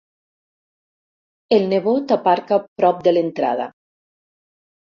El nebot aparca prop de l'entrada.